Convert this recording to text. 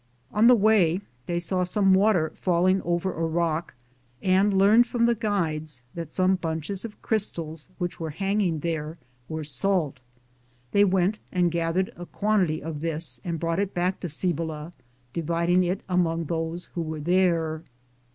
On the way they saw some water falling over a rock and learned from the guides that some bunches of crystals which were hanging there were salt. They went and gathered a quantity of this and brought it back to Cibola, dividing it among those who were there.